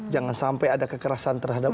jangan sampai ada kekerasan terhadap